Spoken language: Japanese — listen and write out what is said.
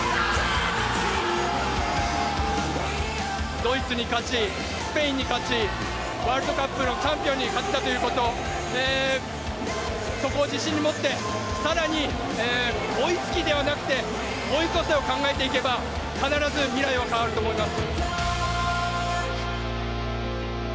ドイツに勝ち、スペインに勝ち、ワールドカップのチャンピオンに勝てたということ、そこを自信に持って、さらに追いつきではなくて、追い越せを考えていけば、必ず未来は変わると思います。